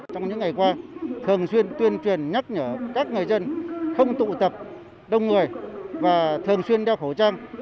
trong những ngày qua thường xuyên tuyên truyền nhắc nhở các người dân không tụ tập đông người và thường xuyên đeo khẩu trang